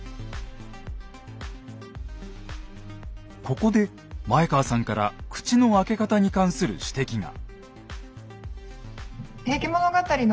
ここで前川さんから口の開け方に関する指摘が。